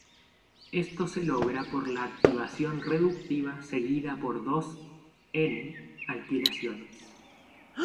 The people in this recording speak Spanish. Esto se logra por la activación reductiva seguida por dos "N"-alquilaciones.